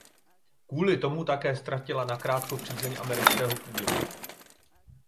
Kvůli tomu také ztratila nakrátko přízeň amerického publika.